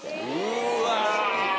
うわ。